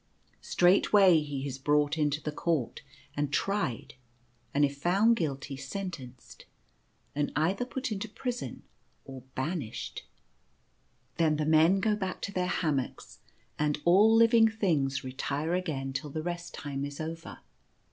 Straightway he is brought into the Court and tried, and if found guilty sentenced, and either put into prison or banished. Then the men go back to their hammocks, and all living things retire again till the Rest Time is over.